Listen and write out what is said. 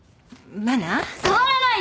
触らないで。